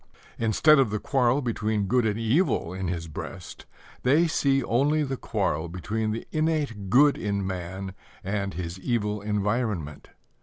Instead of the quarrel between good and evil in his breast, they see only the quarrel between the innate good in man and his evil environment.